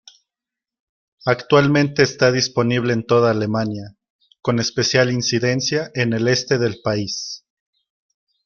Actualmente está disponible en toda Alemania, con especial incidencia en el este del país.